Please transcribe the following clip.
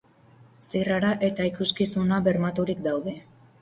Zirrara eta ikuskizuna bermaturik daude.